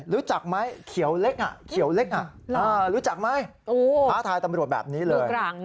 รู้จักไหมเขียวเล็กรู้จักไหมพาทายตำรวจแบบนี้เลย